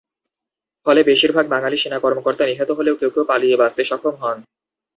ফলে বেশিরভাগ বাঙালি সেনা কর্মকর্তা নিহত হলেও কেউ কেউ পালিয়ে বাঁচতে সক্ষম হন।